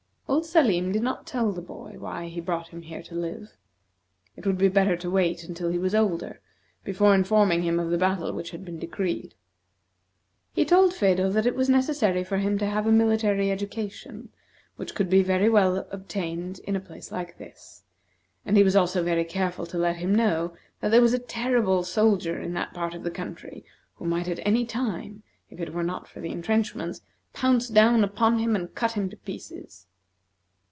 Old Salim did not tell the boy why he brought him here to live. It would be better to wait until he was older before informing him of the battle which had been decreed. He told Phedo that it was necessary for him to have a military education, which could very well be obtained in a place like this; and he was also very careful to let him know that there was a terrible soldier in that part of the country who might at any time, if it were not for the intrenchments, pounce down upon him, and cut him to pieces.